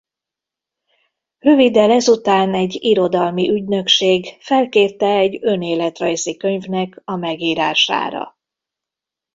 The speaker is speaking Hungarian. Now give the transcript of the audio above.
Röviddel ezután egy irodalmi ügynökség felkérte egy önéletrajzi könyvnek a megírására.